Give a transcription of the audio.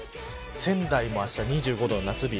仙台もあした２５度の夏日